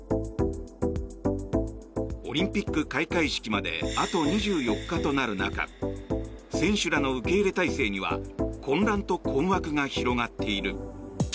オリンピック開会式まであと２４日となる中選手らの受け入れ態勢には混乱と困惑が広がっている。